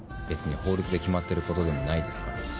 別に法律で決まっていることでもないですから。